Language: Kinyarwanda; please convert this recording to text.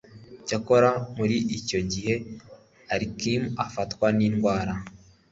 cyakora muri icyo gihe, alikimu afatwa n'indwara